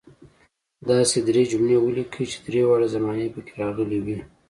داسې درې جملې ولیکئ چې درې واړه زمانې پکې راغلي وي.